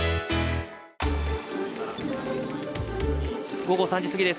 午後３時すぎです。